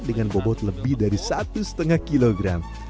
dengan bobot lebih dari satu gram